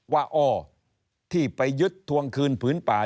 ว่าอ้อที่ไปยึดทวงคืนผืนป่า